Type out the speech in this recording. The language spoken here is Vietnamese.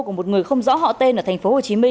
của một người không rõ họ tên ở tp hcm